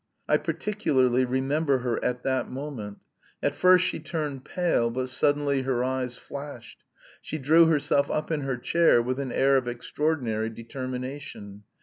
I particularly remember her at that moment; at first she turned pale, but suddenly her eyes flashed. She drew herself up in her chair with an air of extraordinary determination.